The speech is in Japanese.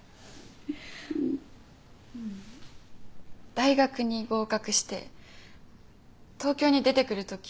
大学に合格して東京に出てくるとき